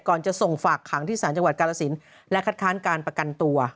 จะส่งฝากขังที่ศาลจังหวัดกาลสินและคัดค้านการประกันตัว